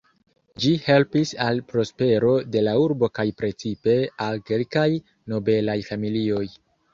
Ĝi helpis al prospero de la urbo kaj precipe al kelkaj nobelaj familioj.